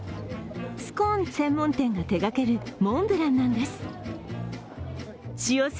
スコーン専門店が手がけるモンブランなんです。